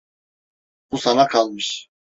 Bu sana kalmış.